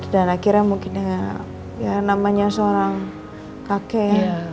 dan akhirnya mungkin dengan namanya seorang kakek